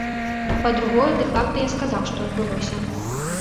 Па-другое, дэ-факта я сказаў, што адбылося.